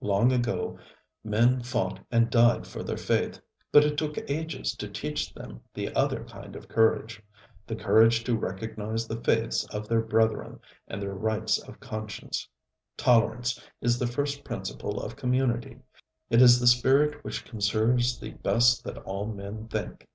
Long ago men fought and died for their faith; but it took ages to teach them the other kind of courage, the courage to recognize the faiths of their brethren and their rights of conscience. Tolerance is the first principle of community; it is the spirit which conserves the best that all men think.